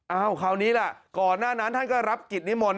คราวนี้ล่ะก่อนหน้านั้นท่านก็รับกิจนิมนต์